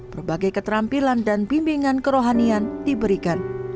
berbagai keterampilan dan bimbingan kerohanian diberikan